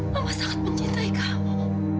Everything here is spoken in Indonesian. mama sangat mencintai kamu